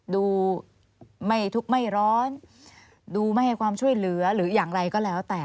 ดูไม่ทุกข์ไม่ร้อนดูไม่ให้ความช่วยเหลือหรืออย่างไรก็แล้วแต่